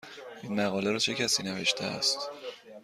این مقاله را چه کسی نوشته است؟